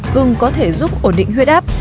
gừng có thể giúp ổn định huyết áp